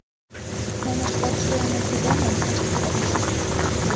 Нунышт вот шуйымо кидемым ышт кормыжто.